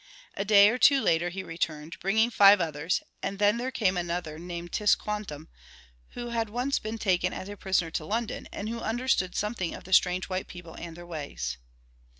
A day or two later he returned bringing five others, and then there came another named Tis quantum, who had once been taken as a prisoner to London, and who understood something of the strange white people and their ways.